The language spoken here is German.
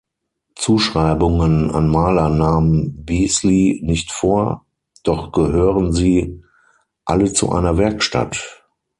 Zuschreibungen an Maler nahm Beazley nicht vor, doch gehören sie alle zu einer Werkstatt.